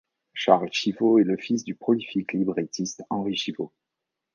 Charles Chivot est le fils du prolifique librettiste Henri Chivot.